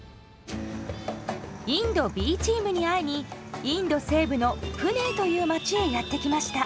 インドＢチームに会いにインド西部のプネーという町へやって来ました。